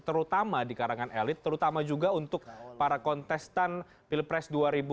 terutama di karangan elit terutama juga untuk para kontestan pilpres dua ribu sembilan belas